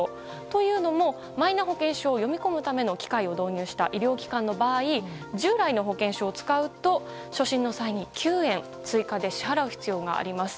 というのも、マイナ保険証を読み込むための機械を導入した医療機関の場合従来の保険証を使うと初診の際に９円、追加で支払う必要があります。